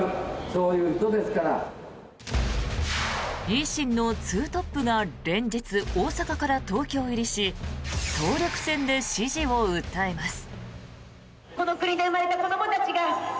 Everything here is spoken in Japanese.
維新の２トップが連日、大阪から東京入りし総力戦で支持を訴えます。